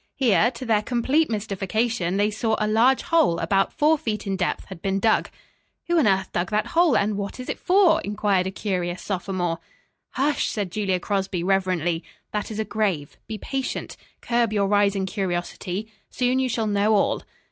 Here, to their complete mystification, they saw a large hole about four feet in depth had been dug. "Who on earth dug that hole, and what is it for?" inquired a curious sophomore. "Hush!" said Julia Crosby reverently. "That is a grave. Be patient. Curb your rising curiosity. Soon you shall know all."